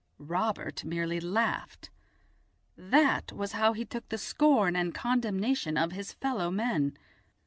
Robert merely laughed. That was how he took the scorn and condemnation of his fellow men.